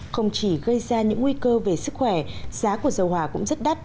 không chỉ gây ra những nguy cơ về sức khỏe giá của dầu hòa cũng rất đắt